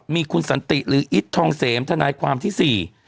มีคนสติหรืออิสทองเสมถนายความที่๔